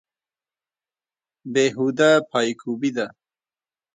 بې هوده پایکوبي ده.